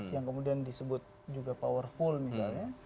yang kemudian disebut juga powerful misalnya